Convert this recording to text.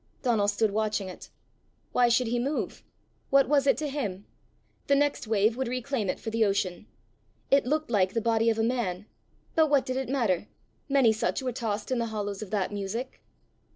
Donal stood watching it. Why should he move? What was it to him? The next wave would reclaim it for the ocean! It looked like the body of a man, but what did it matter! Many such were tossed in the hollows of that music!